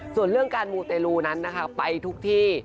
ส่วนเรื่องการมูเตลูนั้นนะคะไปทุกที่